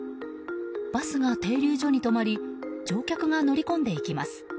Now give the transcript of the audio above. バスが停留所に止まり乗客が乗り込んでいきます。